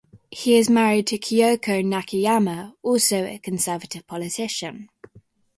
He is married to Kyoko Nakayama, also a conservative politician.